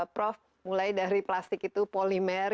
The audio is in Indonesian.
prof mulai dari plastik itu polimer